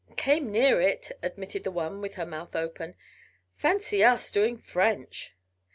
"Came near it," admitted the one with her mouth open. "Fancy us doing French!"